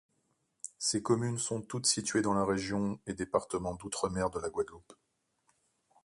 Ces communes sont toutes situées dans la région et département d'outre-mer de la Guadeloupe.